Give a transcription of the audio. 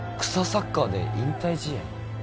サッカーで引退試合？